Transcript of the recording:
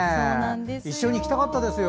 一緒に行きたかったですよ。